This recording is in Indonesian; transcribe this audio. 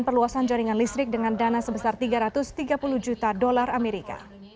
perluasan jaringan listrik dengan dana sebesar tiga ratus tiga puluh juta dolar amerika